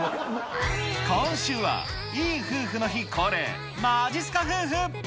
今週は、いい夫婦の日恒例、まじっすか夫婦。